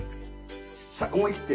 さあ思い切って！